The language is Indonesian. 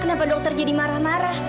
kenapa dokter jadi marah marah